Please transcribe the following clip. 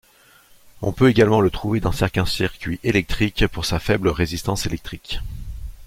On peut également le trouver dans certains circuits électriques, pour sa faible résistance électrique.